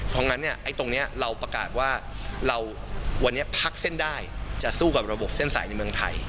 เพราะฉะนั้นตรงนี้เราประกาศว่าวันนี้พักเส้นได้จะสู้กับระบบเส้นสายในเมืองไทย